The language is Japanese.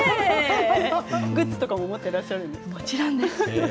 グッズとかも持っていらっしゃるんですか？